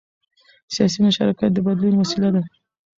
سیاسي مشارکت د بدلون وسیله ده